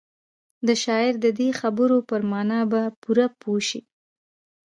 د شاعر د دې خبرو پر مانا به پوره پوه شئ.